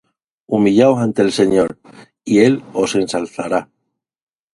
Humillaos delante del Señor, y él os ensalzará.